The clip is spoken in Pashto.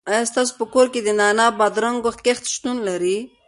آیا ستاسو په کور کې د نعناع او بادرنګو کښت شتون لري؟